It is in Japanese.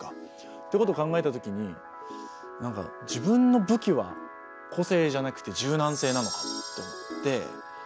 っていうことを考えたときに何か自分の武器は個性じゃなくて柔軟性なのかもと思って。